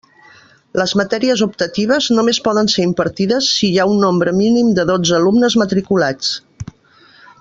Les matèries optatives només poden ser impartides si hi ha un nombre mínim de dotze alumnes matriculats.